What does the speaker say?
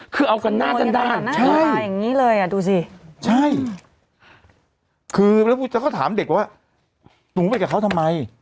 คือเอากันหน้าจัดด่างใช่แล้วก็ถามเด็กว่าหนูไปกับเขาทำไม